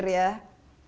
renungan atau pembahagian